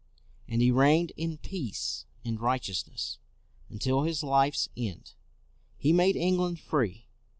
And he reigned in peace and righteousness until his life's end. He made England free.